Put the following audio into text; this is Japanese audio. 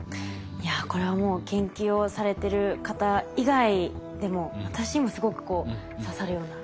いやこれはもう研究をされてる方以外でも私にもすごくこう刺さるような言葉でした。